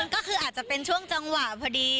ก็คืออาจจะเป็นช่วงจังหวะพอดี